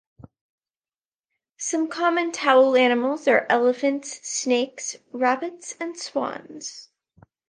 Some common towel animals are elephants, snakes, rabbits and swans.